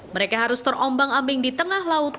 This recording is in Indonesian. mereka harus terombang ambing di tengah laut